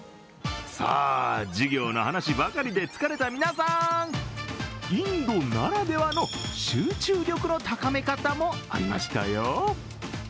授業の話ばかりで疲れた皆さん、インドならではの集中力の高め方もありましたよ。